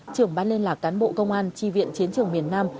trưởng ban liên lạc cán bộ công an tri viện chiến trường miền nam